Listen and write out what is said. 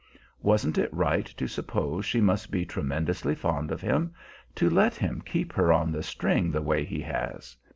Wasn't it right to suppose she must be tremendously fond of him, to let him keep her on the string the way he has?